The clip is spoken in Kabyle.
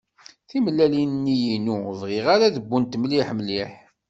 Timellalin-nni-inu ur bɣiɣ ara ad wwent mliḥ mliḥ.